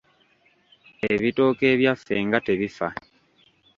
Ebitooke ebyaffe nga tebifa.